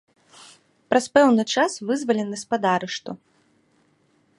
Праз пэўны час вызвалены з-пад арышту.